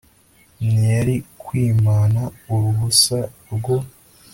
ntiyari kwimana uruhusa rwo